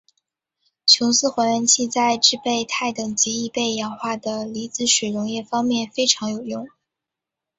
琼斯还原器在制备钛等极易被氧化的离子水溶液方面非常有用。